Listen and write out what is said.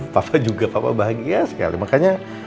papa juga papa bahagia sekali makanya